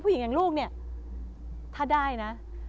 ผู้หญิงอย่างลูกเนี่ยถ้าได้นะ